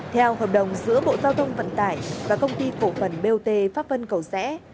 theo hợp đồng giữa bộ giao thông vận tải và công ty cổ phần bot pháp vân cầu rẽ